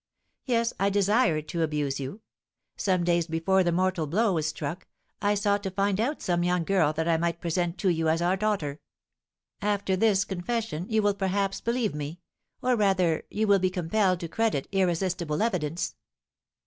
Yes, I desired to abuse you; some days before the mortal blow was struck, I sought to find out some young girl that I might present to you as our daughter. After this confession, you will perhaps believe me, or, rather, you will be compelled to credit irresistible evidence.